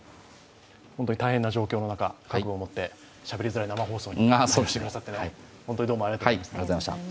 本当に大変な状況の中覚悟をもってしゃべりづらい生放送にお越しくださって本当にどうもありがとうございました。